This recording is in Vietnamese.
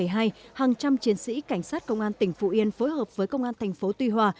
hàng trăm chiến sĩ cảnh sát công an tỉnh phú yên phối hợp với công an thành phố tuy hòa